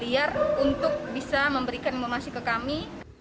kita berharap balap liar bisa memberikan imbasan kepada kami